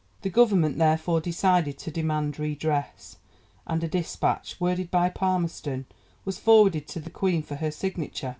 The Government therefore decided to demand redress, and a dispatch, worded by Palmerston, was forwarded to the Queen for her signature.